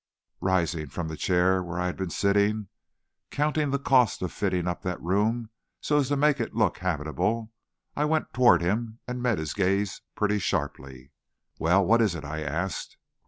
Rising from the chair where I had been sitting, counting the cost of fitting up that room so as to make it look habitable, I went toward him and met his gaze pretty sharply. "Well, what is it?" I asked.